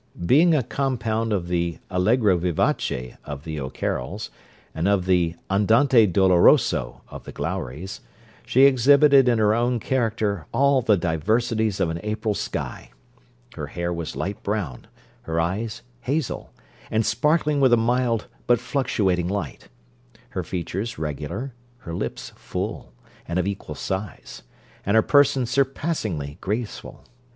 Being a compound of the Allegro Vivace of the O'Carrolls, and of the Andante Doloroso of the Glowries, she exhibited in her own character all the diversities of an April sky. Her hair was light brown; her eyes hazel, and sparkling with a mild but fluctuating light; her features regular; her lips full, and of equal size; and her person surpassingly graceful.